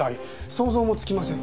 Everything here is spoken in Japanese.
想像もつきません。